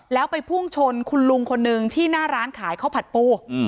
แล้วไปพุ่งชนคุณลุงคนนึงที่หน้าร้านขายข้าวผัดปู